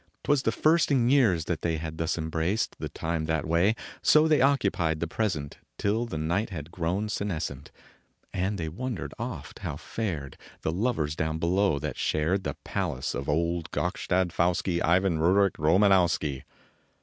Twas the first in years that they Had thus embraced the time that way So they occupied the present Till the night had grown senescent ; And they wondered oft how fared The lovers down below that shared The palace of old Gokstad Pfouski Ivan Ruric Romanowski.